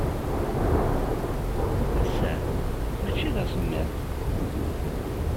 Ass-a, maci d asemmiḍ.